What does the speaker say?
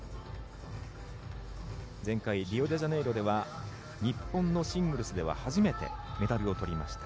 前回リオデジャネイロでは日本のシングルスでは初めてメダルを取りました。